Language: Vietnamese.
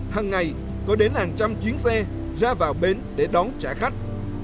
hằng ngày có đến hàng trăm chuyến xe ra vào bến để đón trả khách